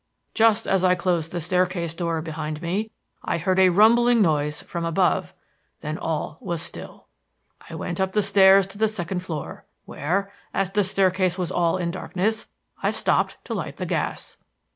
Just as I closed the staircase door behind me, I heard a rumbling noise from above; then all was still. "I went up the stairs to the second floor, where, as the staircase was all in darkness, I stopped to light the gas.